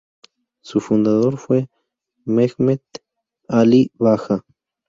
Su fundador fue Mehmet Alí bajá.